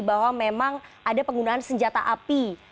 bahwa memang ada penggunaan senjata api